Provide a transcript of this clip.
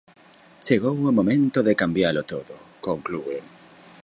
Chegou o momento de cambialo todo, conclúen.